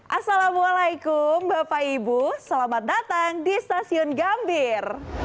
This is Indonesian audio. assalamualaikum bapak ibu selamat datang di stasiun gambir